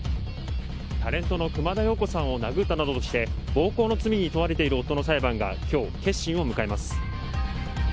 タレントの熊田曜子さんを殴ったなどとして、暴行の罪に問われている夫の裁判がきょう、結審を迎えます。